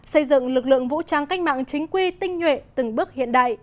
xây dựng lực lượng vũ trang cách mạng chính quy tinh nhuệ từng bước hiện đại